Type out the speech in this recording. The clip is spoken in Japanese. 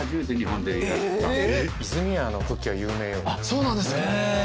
そうなんですか。